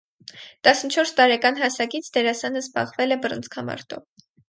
Տասնչորս տարեկան հասակից դերասանը զբաղվել է բռնցքամարտով։